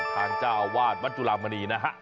ทางเจ้าอาวาสวัดจุลามณีนะฮะ